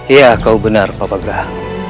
iya kau benar bapak gerah